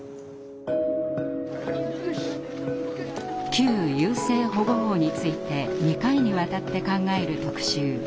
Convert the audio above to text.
旧優生保護法について２回にわたって考える特集。